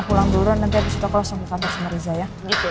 pulang dulu nanti habis sekolah langsung ke kantor sama riza ya